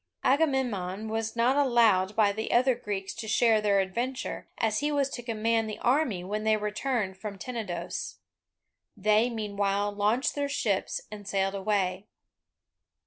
Agamemnon was not allowed by the other Greeks to share their adventure, as he was to command the army when they returned from Tenedos. They meanwhile launched their ships and sailed away.